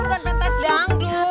ini bukan pentas dangdut